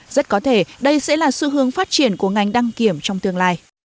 rất có thể đây sẽ là xu hướng phát triển của ngành đăng kiểm trong tương lai